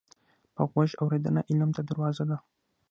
په غوږ اورېدنه علم ته دروازه ده